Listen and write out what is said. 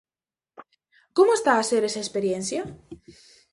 Como está a ser esa experiencia?